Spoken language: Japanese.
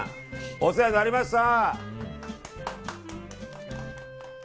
お世話になりました！